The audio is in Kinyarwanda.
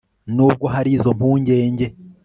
nubwo hari izo mpungenge